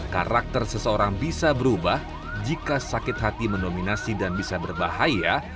karakter seseorang bisa berubah jika sakit hati mendominasi dan bisa berbahaya